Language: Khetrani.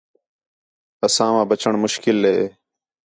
اساواں بچّݨ مُشکل ہِے